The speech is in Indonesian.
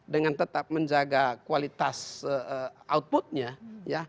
dengan tetap menjaga kualitas outputnya ya